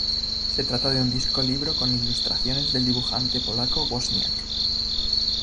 Se trata de un disco-libro con ilustraciones del dibujante polaco Wozniak.